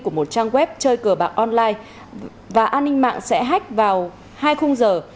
của một trang web chơi cờ bạc online và an ninh mạng sẽ hách vào hai khung giờ